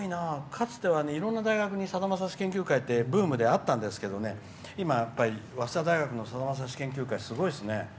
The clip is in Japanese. かつては、いろんな大学にさだまさし研究会ってブームであったんですけど今、早稲田大学のさだまさし研究会、すごいですね。